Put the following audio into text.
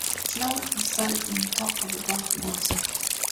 Float the soap on top of the bath water.